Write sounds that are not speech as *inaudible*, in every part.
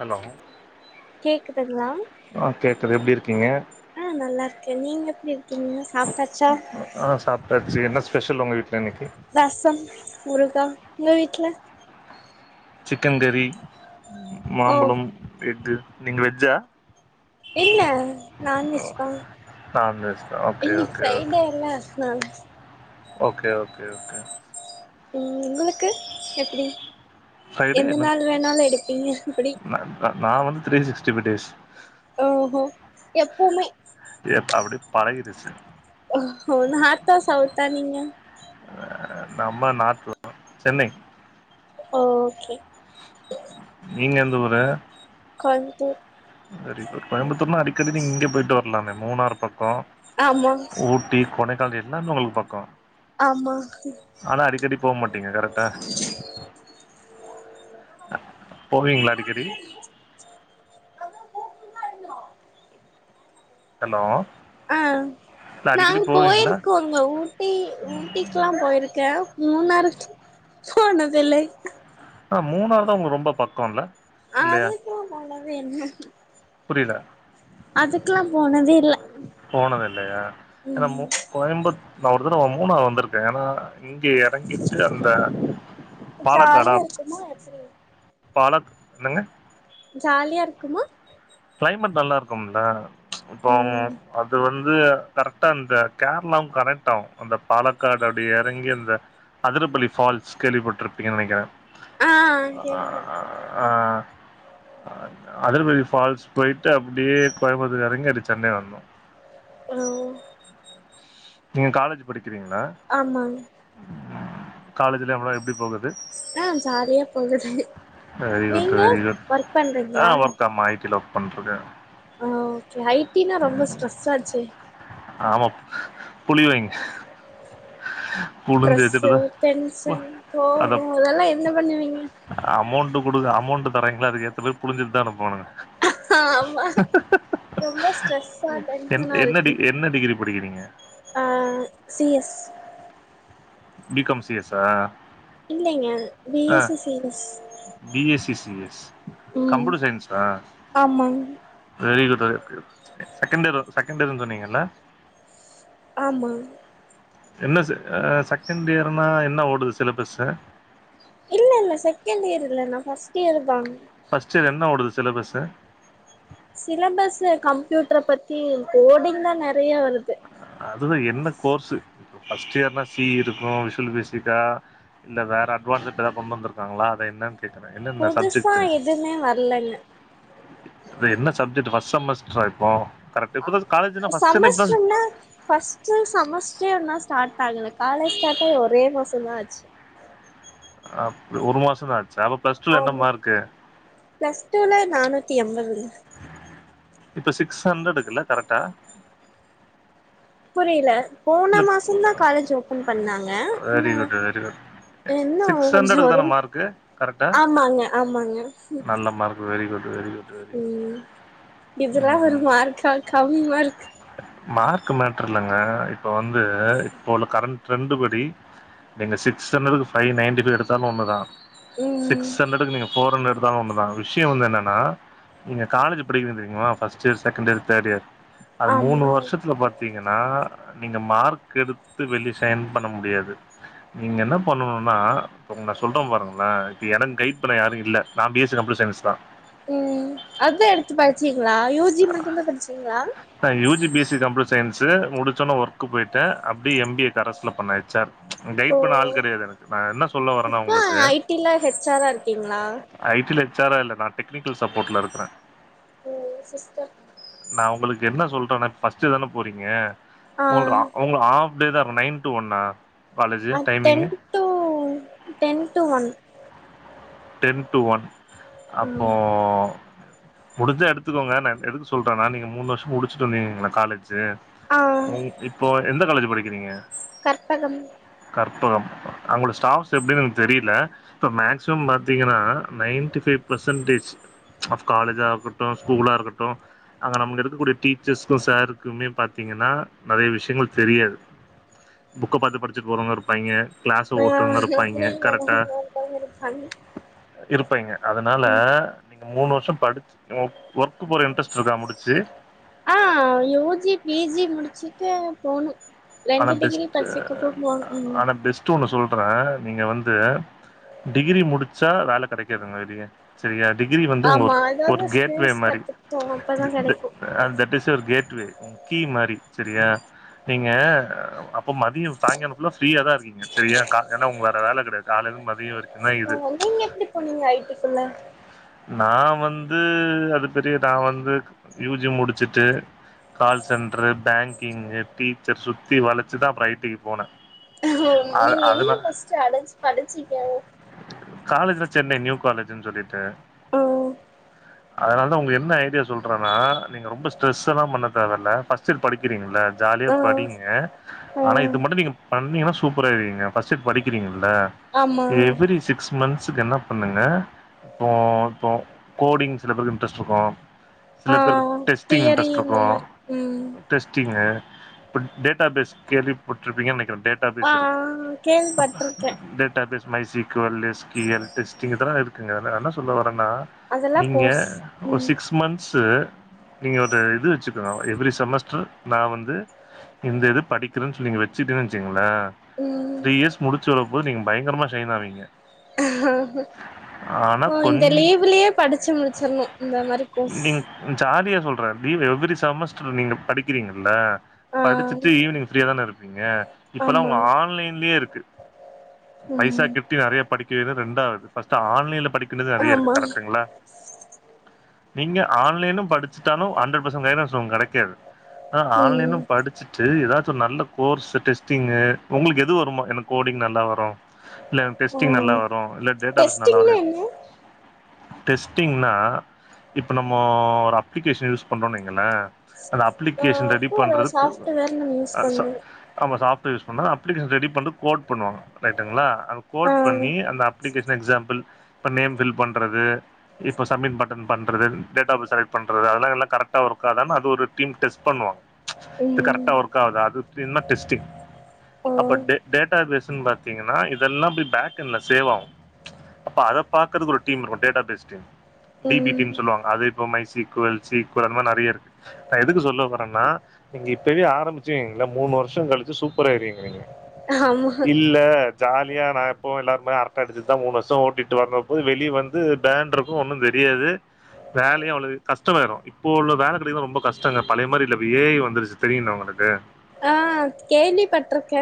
hello கேக்குதுங்களா ஆ கேக்குது எப்டி இருக்கீங்க நா நல்லா இருக்கே நீங்க எப்டி இருக்கீங்க சாப்ட்டாச்சா ஆ சாப்ட்டாச்சு என்ன ஸ்பெஷல் உங்க வீட்டில இன்னிக்கு ரசம் ஊறுகா உங்க வீட்ல சிக்கன் கறி ஓ மாம்பழம் எஃகு நீங்க வெஜ்ஜா என்ன நான்வெஜ் ஓ தா நான்வெஜ் தா ஓகே இன்னிக்கு ஓகே ஓகே ஃரைடே ல அதுனால ஓகே ஓகே ஓகே ம் உங்களுக்கு எப்டி ஃப்ரைடே எந்த என்ன நாள் வேணாலு எடுப்பீங்க எப்டி நா நா வந்து திரிசிக்ச்டிஃபைவ் டேஸ் ஓ ஓ எப்பவுமே ஏ அப்டி பழகிடுச்சு ஓ ஓ நார்த்தா சவுத்தா நீங்க நம்ம நார்த் தா சென்னை ஓகே நீங்க எந்த ஊரு கோய்ம்த்தூர் வெறி குட் கோயம்புத்தூர்னா அடிக்கடி நீங்க இங்க போயிட்டு வர்லாமே மூணாறு பக்கோ ஆமா ஊட் ஊட்டி கொடைக்கானல் எல்லாமே உங்ளுக்கு பக்கோ ஆமாங்க ஆனா அடிக்கடி போமாட்டீங்க கரட்டா போவீங்ளா அடிக்கடி ஹலோ அ இல்ல அடிக்கடி நாங்க போவீங்களா போயிருக்கோ இங்க ஊட்டி ஊட்டிக்லா போயிருக்கே மூணாறுக் போனதில்லை ஆ மூணாருதா உங்க ரொம்ப பக்கோ இல்ல அதுக்கு போனதே இல்ல புரியல அதுக்கெலா போனதே இல்ல போனதில்லயா ஏன்னா ம் கோயம்பத் நா ஒருத்தடவ மூணாறு வந்திருக்கே ஏன்னா இங்க இறங்கிட்டு அந்த பாலக்காடா ஜாலியா இருக்குமா எப்டி பாலத் என்னங்க ஜாலியா இருக்குமா கிளைமேட் நல்லா இருக்கும்ல ச் இப்போ ம் அது வந்து கரெக்டா அந்த கேரளாவு கணக்ட்டாவு அந்த பாலக்காடு அப்டி எறங்கி அந்த அதிரபல்லி ஃபால்ஸ் கேள்விப்பட்டிருப்பீங்க நெனைக்கிறே ஆ கேள்விப்பட்ருக்கே அ அதிரபல்லி ஃபால்ஸ் போயிட்டு அப்டியே கோயம்புத்தூர் எறங்கி அப்டி சென்னை வந்தோ ஓ நீங்க காலேஜ் படிக்கிறீங்ளா ஆமாங் காலேஜ்லா இப்லா எப்டி போகுது ஆ ஜாலியா போகுது வெரி குட் நீங்க வெரி குட் ஒர்க் ஆ பண்றீங்களா ஒர்க் ஆமா ஐ டி ல ஒர்க் பண்ட்ருக்க ஆ ஓகே ஐ டினா ரொம்ப ஸ்ட்ரெஸ் ஆச்சே ஆமப் புழிவாய்ங்க *inaudible* ட்ரஸ்சு டென்சன் கோவோ இதெல்லா என்ன பண்ணுவீங்க அமௌண்ட்டு குடு அமௌண்ட்டு தராய்ங்ளா அதுக்கு ஏத்த மார் புழிஞ்சிட்டுதா அனுப்புவானுக ஆமா ரொம்ப ஸ்ட்ரெஸ்ஸா என் டென்ஷனா என்ன டிகி என்ன டிகிரி படிகிறிங்க அ C S B com C S ஆ இல்லைங்க பி ஆ S C C S B S C C S ம் கம்ப்யூட்டர் சயின்ஸா ஆமாங் வெரி குட் வெ செகண்டியர் செகண்டியர்னு சொன்னீங்கல்ல ஆமா என்ன செ செகண்டியர்னா என்ன ஓடுது சிலபஸ்சு இல்லல்ல செகண்ட்டியர் இல்ல நா ஃபஸ்ட் இயர்தா ஃபஸ்ட் இயர் என்ன ஓடுது சிலபஸ்சு சிலபஸ்சு கம்ப்யூட்ர பத்தி கோடிங்தா நெறைய வருது அதுதா என்ன கோர்ஷு ப்ப பர்ஸ்ட் இயர்னா சி இருக்கு விஷ்வல் பேசிக்கா இல்ல வேற அட்வான்ஸா இப்ப ஏதா கொண்டு வந்ருக்காங்ளா அதா என்னன் கேக்றே என்னென்ன புதுசா சப்ஜெக்ட்டு எதுமே வரலங்க அதா என்ன சப்ஜெக்ட்டு ஃபர்ஸ்ட் செமஸ்ட்ரா இப்போ கரெக்ட் அ இப்பதா காலேஜ்னா ஃபர்ஸ்ட் இயர்னா இப்பதா செமஸ்ட்ர் னா ஃபர்ஸ்ட் இயர் செமஸ்ட்ரே இன்னு ஸ்டார்ட் ஆகல காலேஜ் ஸ்டார்ட் ஆகி ஒரே மாசந்தா ஆச்சு அப் ஒரு மாசந்தா ஆச்சா அப்ப பிளஸ் டூல என்ன ஆமா மார்க்கு பிளஸ் டூல நானூத்தி எம்பதுங்க இப்போ சிக்ஸ் ஹண்ட்ரடுக்ல கரெக்டா புரியல போன இல்ல மாசந்தா காலேஜ் ஓபன் பண்ணாங்க ன்ன வெரி குட் வெரி குட் என்ன சிக்ஸ் கொஞ்சோ ஹண்ட்ரடுக்கு தான ஒடம் மார்க்கு கரெக்டா ஆமாங்க ஆமாங்க நல்ல mark very good very good very good ம் இதெல்லா ஒரு ம் மார்க்கா கம்மி மார்க் மார்க் மேட்ரு இல்லங்க இப்ப வந்து இப்போ உள்ள கரண்ட் ட்ரெண்டு் படி நீங்க சிக்ஸ் ஹண்ட்ரட்க்கு ஃபைப் நைன்ட்டி ஃபைவ் எடுத்தாலு ஒண்ணு தா ம் சிக்ஸ் ஹண்ட்ரட்க்கு நீங்க ஃபோர் ஹன்ட்ர்டு எடுத்தாலு ஒன்னு தா விஷ்யோ வந்து என்னன்னா நீங்க காலேஜூ படிக்றீங்க தெரிமா ஃபஸ்ட் இயர் செகண்ட் இயர் தேடு இயர் அது மூனு ஆமா வர்ஷத்ல பாத்தீங்கனா நீங்க மார்க் எடுத்து வெளிய சைன் பண்ண முடியாது நீங்க என்ன பண்ணணுனா இப்போ உன்ன சொல்ற பாருங்ளே இப்ப எனக்கு கைட் பண்ண யாரு இல்ல நா பி எஸ் சி கம்ப்யூட்டர் சயின்ஸ்தா ம் அதா எடுத்து படிச்சீங்ளா யூ ஜி மட்டுந்தா படிச்சீங்ளா நா U G B S C computer science முடிச்சொன்ன ஒர்க்கு போயிட்டே அப்டியே எம் பி ஏ கரஸ்ல பண்ணே ஹெச் ஆர் ஓ கைட் பண்ண ஆள் கெடையாது எனக்கு நா என்ன சொல்ல வரனா இப்ப உங்களுக்கு ஐ டி ல ஹெச் ஆரா இருக்கீங்களா ஐ டி ல ஹச் ஆர் ரா இல்ல நா டெக்னிக்கல் சப்போர்ட்ல இருக்றே ஓ சிஸ்டம் நா உங்களுக்கு என்ன சொல்றேனா இப்ப ஃபர்ஸ்ட் இயர் தான போறீங்க ஆ உங்கள்ர உங்க ஹாஃப் டே தா இருக்கு நைன் டு ஒன்னா அ ten to ten to one ten to one அப்போ ம் முடிஞ்சா எடுத்துக்கோங்க நான் எதுக்கு சொல்றண்ணா நீங்க மூணு வருஷோ முடிச்சுட்டு வந்தீங்கங்களே காலேஜு ஆ உ இப்போ எந்த காலேஜ் படிக்கிறீங்க கற்பகம் கற்பகம் அங்குள்ள ஸ்டாப்ஸ் எப்டின்னு தெரியல இப்ப மக்ஸிமம் பாத்தீங்கன்னா நைன்டி ஃபைவ் பர்சன்டேஜ் ஆஃப் காலேஜாகட்டு ஸ்கூலா இருக்கட்டு அங்க நம்ம எடுக்கக்கூடிய டீச்சர்ஸ்க்கு சருக்குமே பாத்தீங்கன்னா நெறைய விஷயங்கள் தெரியாது புக்க பாத்து படிச்சுட்டு போறவங்க இருப்பாய்ங்க க்ளஸ ஆ ஓட்டுறவங்க அப்டியே இருப்பாய்ங்க கரெக்டா *unintelligible* இருப்பாய்ங்க அதனால நீங்க மூணு வருஷோ படிச்சு ஓர்க் ஒர்க்கு போற இன்ட்ரெஸ்ட் இருக்கா முடிச்சி ஆ யோஜி பி ஜி முடிச்சிட்டு போணு ஆனா ரெண்டு டிகிரி பச்சைக்குப்ப போ ம் துனு சொல்ற நீங்க வந்து டிகிரி முடிச்சா வேல கெடைக்காதுங்க வெளிய சரியா டிகிரி வந்து உங்க ஆமா ஒரு அதாவது கேட்வே ஸ்கில்ஸ் மாரி கத்துக்கிட்டோ அப்பதா த கெடைக்கு தட் இஸ் இது ஒரு கேட்வே கி மாரி சேரியா நீங்க அ அப்போ மதியோ சாங்காலோ ஃபுல்லா ஃப்ரீயா தா இருக்கீங்க சரியா ஏன்னா உங்க வேற வேல கெடையாது காலேருந்து மதியம் வரைக்கு தா இது ஆ நீங்க எப்டி போனீங்க ஐடிக்குள்ள நா வந்து அது பெரிய நா வந்து யூ ஜி முடிச்சுட்டு கால் சென்ட்ரு பங்கிங்கு டீச்சர் சுத்தி வளச்சுதா அப்றோ ஐடி க்கு போன ம் நீங்க எங்க ஃபஸ்ட்டு அலஞ்சு படிச்சீங்க காலேஜ்ல சென்னை நியூ காலேஜ்ன்னு சொல்லிட்டு ஆ அதனால தா உங்க என்ன ஐடியா சொல்றன்னா நீங்க ரொம்ப ஸ்ட்ரெஸ் எல்லா பண்ண தேவ இல்ல ஃபஸ் படிக்கிறீங்கல்ல ஜாலியா ஆ படிங்க ஆ அ ஆனா இது மட்டு நீங்க பண்ணீங்கன்னா சூப்பரா ஆய்ருவீங்க ஃபர்ஸ்ட் இயர் படிக்கிறீங்கல்ல ஆமா எவ்ரி சிக்ஸ் மந்த்ஸுக்கு என்ன பண்ணுங்க இப்போ இப்போ கோடிங் சில பேருக்கு இன்ட்ரெஸ்ட் இருக்கு ஆ சில பேருக் டெஸ்டிங் தியரி இன்ட்ரெஸ்ட் இந்த இருக்கு மாரி ம் டெஸ்டிங்கு டேட்டாபேஸ் கேள்வி பட்ருப்பீங்கன் நினைக்கிற டேட்டா ஆ பேஸ் இருக்கு கேள்விப்பட்ருக்கே data base MySQL SQL testing இதலா இருக்குங்க நா என்ன சொல்ல வரனா அதெல்லா நீங்க கோர்ஸ் ஒரு ம் சிக்ஸ் மந்த்ஸு நீங்க ஒரு இது வச்சுக்கணு எவ்ரி செமஸ்டர் நா வந்து இந்த இது படிக்கிறன் சொல்லி நீங்க வச்சிட்டன் வச்சுங்கள ம் த்ரீ இயர்ஸ் முடிச்சு வர போது நீங்க பயங்கரமா ஷைன் ஆவிங்க ஓ கொஞ் இந்த லீவுலையே படிச்சி முடிச்சிரணு இந்த மாரி கோஸ் நீங்க ஜாலியா சொல்ற லீவ் எவ்ரி செமஸ்டர் நீங்க படிக்கிறீங்கல்ல ஆ படிச்சிட்டு ஈவ்னிங் ஃப்ரீயா தான இருப்பீங்க இப்பெல்லா ஆமா உங்க ஆன்லைன்லே இருக்கு பைசா ம் கெட்டி நெறைய படிக்கது ரெண்டாவது ஃபஸ்ட்டு ஆன்லைன்ல படிக் க்குல நெறைய ஆமா இருக்கு கரெட்டுங்ளா நீங்க ஆன்லைனு படிச்சுட்டாலு ஹண்டரட் பர்சன்ட் க கைடன்ஸ் உங்க கடைக்காது ஆனா ம் ஆன்லைனும் படிச்சுட்டு ஏதாச்சு ஒரு நல்ல கோர்ஸு டெஸ்டிங்கு உங்களுக்கு எது வருமோ எனக் கோடிங் நல்லா வரு இல்ல ஆ டெஸ்ட்டிங் நல்லா வரு இல்ல டேட்டாபேஸ் நல்லா வரு டெஸ்டிங்னா என்ன டெஸ்ட்டிங்னா இப்ப நம்மமோ ஒரு அப்ளிகேஷன் யூஸ் பண்றோன் வைங்கள அந்த அப்ளிகேஷன் ரெடி பண்றது வேறென் நம் யூஸ் பன்றோ நம்ப சாப்ட்வேர் யூஸ் பண்ண அப்ளிக்கேஷன் ரெடி பன்ட்டு கோட் பண்ணுவாங்க ரைட்டுங்ளா நம்ம ஆ கோட் பண்ணி அந்த அப்லிகேஷன் எக்ஸாம்பிள் இப்ப நேம் ஃபில் பண்றது இப்ப சப்மிட் பட்டன் பண்றது டேட்டா பேஸ் செலக்ட் பண்றது அதெல்லா எல்லா கரெக்டா ஒர்க்கான அது ஒரு டீம் டெஸ்ட் பண்ணுவாங்க இது கரக்டா ம் ஒர்க் ஆகுது அது பேர்தா டெஸ்டிங் ஓ அப்ப டேட் டேட்டா பேஸ்ன்னு பாத்தீங்கன்னா இதெல்லா பேக் எண்ட்ல சேவ் ஆகு அப்ப அத பாக்குறது ஒரு டீம் இருக்கு data base team D B K ம் னு சொல்லுவாங்க அது இப்ப மைசி ஈக்குவல் சி ஈக்குவல் அது மாரி நெறைய இருக்கு நா எதுக்கு சொல்ல வரன்னா நீங்க இப்பவே ஆரம்பிச்சவீங்ள மூணு வருஷம் கழிச்சு சூப்பர் ஆயிருவிங்க ஆமா இல்ல ஜாலியா நா எப்போ எல்லாரு மாரி அரட்ட அடிச்சிட்டு தா மூணு வருஷம் ஓட்டிட்டு வரப்போ வெலி வந்து பிளான் இருக்கு ஒன்னு தெரியாது வேலைய அவ்ளவு கஷ்டமாயிரும இப்போ உள்ள வேல கிடைக்குதா ரொம்ப கஷ்டங்க பழைய மாரி இல்ல ஆஇப்ப ஏ ஐ வந்துருச்சு இதுதெரியுல்ல உங்களுக்கு ஆ கேள்விப்பட்ருக்க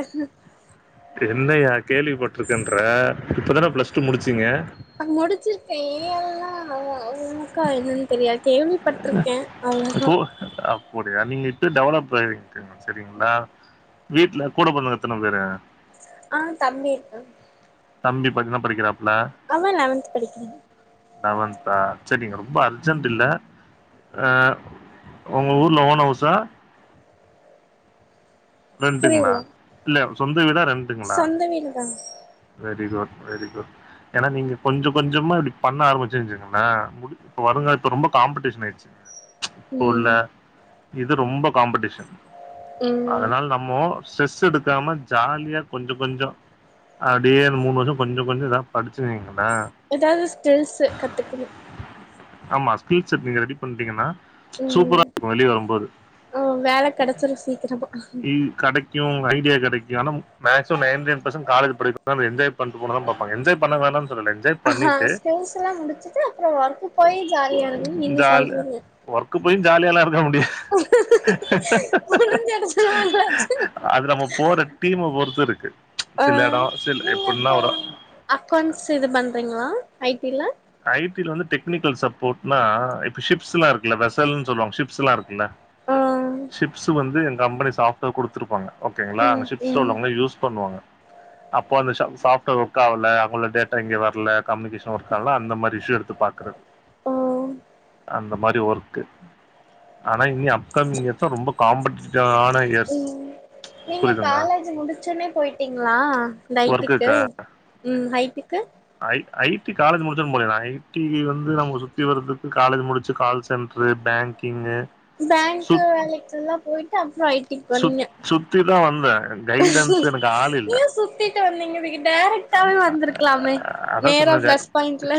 என்னயா கேள்விப்பட்ருக்கன்ற இப்பதான பிளஸ் டூ முடிச்சிங்க முடிச்சிருக்கே ஏன் எல்லா உக்கா என்னன் தெரியாது கேள்விப்பட்ருக்க அவ்ளதா இப்போ அப்படியா நீங்க இப்ப டெவலப் ஆயிருவிங்க செரிங்ளா வீட்ல கூட பொறந்தவக எத்தன பேரு ஆ தம்பி இருக்கா தம்பி இப்ப என்ன படிக்கிறாப்ல அவன் லெவன்த் படிக்கிறான் லெவன்தா செரி ரொம்ப அர்ஜென்ட் இல்ல அ உங்க ஊருல ஓன் ஹவுஸா ரெண்டுங்ளா புரியல இல்ல சொந்த வீடா ரெண்டுங்ளா சொந்த வீடுதா வெரி குட் வெரி குட் ஏனா நீங்க கொஞ்ச கொஞ்சமா இப்டி பண்ண ஆரம்பிச்சிரு்சுங்களா இப்ப வருங்க காலத்துல ரொம்ப காம்படேஷன் ஆய்டுச்சு இப்போ உள்ள ம் இது ரொம்ப காம்படேஷன் ம் அதனால நம்மோஸ்ட்ரெஸ் எடுக்காம ஜாலியா கொஞ்ச கொஞ்சோ அப்டியே மூணு வருஷம் கொஞ்ச கொஞ்ச தா படிச்சிவீங்ளா ஏதாவது ஸ்கில்ஸு கத்துக்கணு ஆமா ஸ்கில் செட் நீங்க ரெடி பண்ணிட்டீங்கன்னா சூப்பரா இருக்கு வெளிய வரும்போது ம் வேல ககெடச்சுரு சீக்கிரமா இ கடைக் கியு ஐடியா கிடைக்கு ஆனா maximum ninety nine percent college படிக்கும்போது என்ஜாய் பண்ணனு தா நெனைப்போ என்ஜாய் பண்ண வேணான் சொல்லல என்ஜாய் ஹா பண்ணிட்டு ஸ்கில்ஸ் எல்லா முடிச்சுட்டு அப்றோ ஒர்க்கு போய் ஜாலியா இருங்கன் நீங்க ஜாலி சொல்றீங்க ஒர்க்கு போயு ஜாலியாலா இருக்க முடில புழிஞ்சு எடுத்துருவாங்களாச்சு அது நம்ம போற டீம பொறுத்து இருக்கு ஆ சில இடோ சில நீங்க எபபுன்னா இப்ப ஒரு அக்கௌண்ட்ஸ் இது பண்றிங்களா ஐடியில ஐடீல வந்து டெக்னிக்கல் சப்போர்ட்னா இப்ப ஷிப்ஸ் எல்லா இருக்குல்ல வேசெல்னு சொல்லுவாங்க ஷிப்ஸ் எல்லா இருக்குல்ல ஆ சிஷிப்ஸ் வந்து எ கம்பெனி சாப்ட்வேர் குடுத்துருப்பாங்க ஓகேங்களா அந்த ம் ஸிஃப்ட்ஸ்ல ம் உள்ளவங்க யூஸ் பண்ணுவாங்க அப்போ அந்த சாப்ட்வேர் ஒர்க் ஆகல அங்குள்ள டேட்டா இங்க வர்ல கம்யூனிகேஷன் ஒர்க் அதனால அந்த மாரி ஸயூ எடுத்து பாக்றது ஆ அந்த மாரி ஒர்க் ஆனா இனி அப்கமிங் இயர்ஸ் ரொம்ப காம்படேட்டிவ் ஆன ம் *unintelligible* நீங்க காலேஜ் முடிச்சோன்னே போயிட்டீங்ளா நைட்டுக்கு ஒர்க்குக்கு ம் ஹைட்டுக்கு ஐ ஐட் காலேஜ் முடிச்சன்னு போனது ஐ டி வந்து நம்ம சுத்தி வர்றதுக்கு காலேஜ் முடிச்சு கால் சென்டரு பேங்கிங்கு பேங்கு சுத் வேலைக்குல்லா போய்ட்டு அப்புறொ ஐ டிக்கு சுத் போனீங்க சுத்திதா வந்தே கைடன்ஸ் எனக்கு ஆள் இல்ல ஏ சுத்திட்டு வந்தீங்க வீட்ட டைரக்டாவே வந்திருக்லாமே நேர ப்ளஸ் பாயிண்ட்ல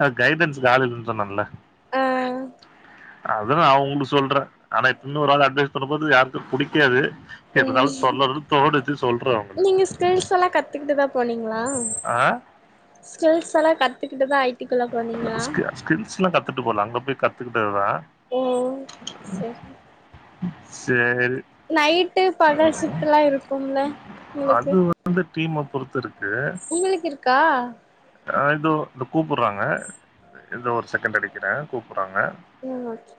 அது கைடன்ஸ்கு ஆளில்லன் சொன்னன்ல ஆ அதுதா நா உங்களுக்கு சொல்றே ஆனா இன்னோரு ஆள் அட்வைஸ் பண்ணும் போது யாருக்கும் பிடிக்காது ம் இருந்தாலும் சொல்லனும்னு தோணுது சொல்றே ஒனக்கு நீங்க ஸ்கில்ஸ் எல்லா கத்துக்கிட்டு தா போனீங்களா ஆ ஸ்கில்ஸ் எல்லா கத்துக்கிட்டுதா ஐ டி க்குள்ள போனீங்களா ஸ்கில்ஸ் எல்லா கத்துட்டு போகல அங்க போய் கத்துக்கிட்டதுதா ம் செரி சேரி நைட்டு பகல் ஷிப்ட்லா இருக்கும்ல உங்களுக்கு அது டீம பொறுத்திருக்கு உங்களுக்கு இருக்கா ஆ இதோ இத கூப்பிடுறாங்க இதோ ஒரு செகண்ட் அடிக்கிறே கூப்பறாங்க ம் ஆச்